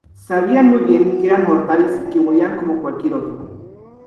Sabían muy bien que eran mortales y que morían como cualquier otro.